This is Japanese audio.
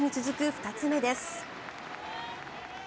２つ目です。